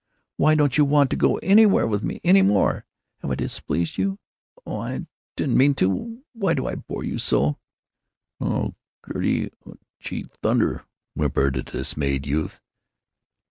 Why don't you want to go anywhere with me any more? Have I displeased you? Oh, I didn't mean to! Why do I bore you so?" "Oh—Gertie—oh—gee!—thunder!" whimpered a dismayed youth.